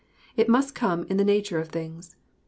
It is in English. It must come in the nature of things.